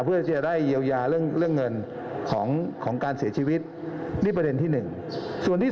เพื่อจะได้เยียวยาเรื่องเงินของการเสียชีวิตนี่ประเด็นที่